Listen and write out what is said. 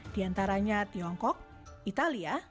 di antaranya tiongkok italia